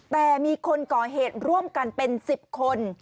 แต่มีคนก่อเหตุร่วมกันเป็น๑๐คน